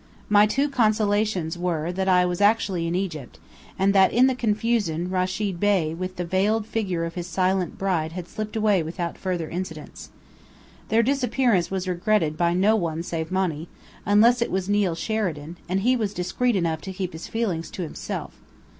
My two consolations were that I was actually in Egypt; and that in the confusion Rechid Bey with the veiled figure of his silent bride had slipped away without further incidents. Their disappearance was regretted by no one save Monny, unless it was Neill Sheridan, and he was discreet enough to keep his feelings to himself.